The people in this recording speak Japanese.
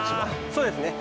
そうですね